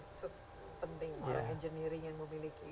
maksud penting orang engineering yang memiliki